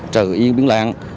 trời yên biển lạng